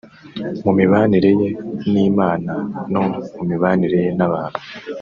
mu mibanire ye n’Imana no mu mibanire ye n’abantu